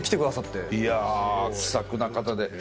いやあ気さくな方で。